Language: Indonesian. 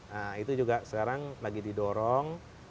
nah itu juga sekarang lagi didorong